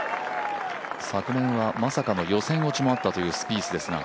昨年は、まさかの予選落ちもあったというスピースですが。